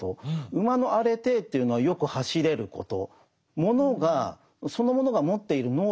馬のアレテーというのはよく走れること。